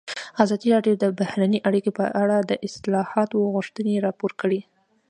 ازادي راډیو د بهرنۍ اړیکې په اړه د اصلاحاتو غوښتنې راپور کړې.